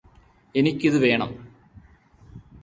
എനിക്കിത് വേണം